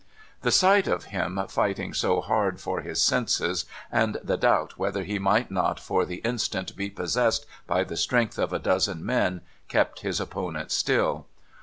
The sight of him fighting so hard for his senses, and the doubt whether he might not for the instant be possessed by the strength of a dozen men, kept his opponent still.